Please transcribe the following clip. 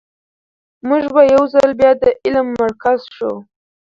موږ به یو ځل بیا د علم مرکز شو.